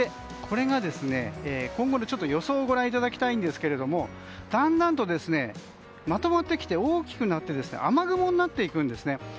これが、今後の予想をご覧いただきたいんですがだんだんとまとまってきて大きくなって雨雲になっていくんですね。